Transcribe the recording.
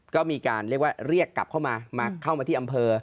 ก็มีการเรียกกลับเข้ามาเข้ามาที่อำเภอ